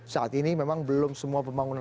saat ini memang belum semua pembangunan